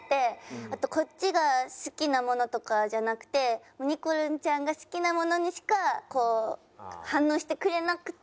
あとこっちが好きなものとかじゃなくてにこるんちゃんが好きなものにしかこう反応してくれなくて。